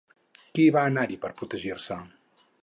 Qui va anar-hi per protegir-se?